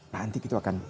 nanti itu akan